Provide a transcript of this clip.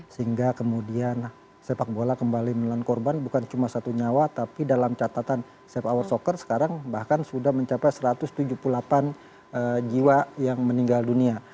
sehingga kemudian sepak bola kembali menelan korban bukan cuma satu nyawa tapi dalam catatan safe hour soccer sekarang bahkan sudah mencapai satu ratus tujuh puluh delapan jiwa yang meninggal dunia